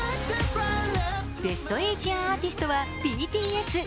ベスト・エイジアン・アーティストはＢＴＳ。